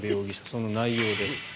その内容です。